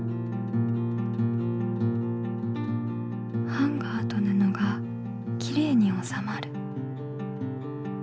ハンガーとぬのがきれいにおさまる。